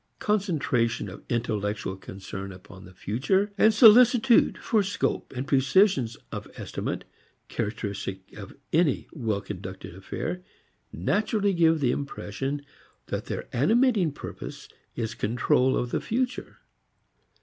Concentration of intellectual concern upon the future, solicitude for scope and precision of estimate characteristic of any well conducted affair, naturally give the impression that their animating purpose is control of the future.